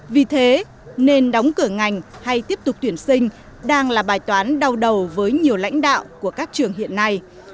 vì thế nên đóng cửa ngành hay tiếp tục tuyển sinh đang là bài toán đau đầu với nhiều lãnh đạo của các trường hiện nay